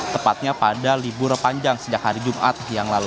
tepatnya pada libur panjang sejak hari jumat yang lalu